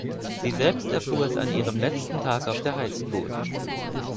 Sie selbst erfuhr es an ihrem letzten Tag auf der High School.